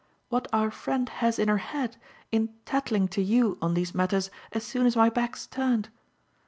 what our friend has in her head in tattling to you on these matters as soon as my back's turned.